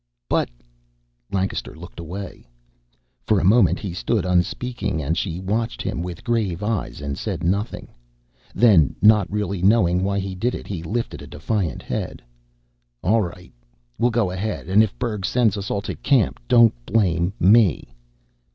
"But " Lancaster looked away. For a moment he stood unspeaking, and she watched him with grave eyes and said nothing. Then, not really knowing why he did it, he lifted a defiant head. "All right! We'll go ahead and if Berg sends us all to camp, don't blame me."